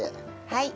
はい。